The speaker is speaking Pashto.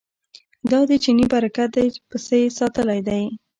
دا ددې چیني برکت دی پسه یې ساتلی دی.